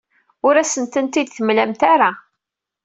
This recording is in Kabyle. Ur asent-ten-id-temlamt ara.